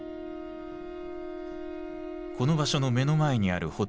この場所の目の前にあるホテル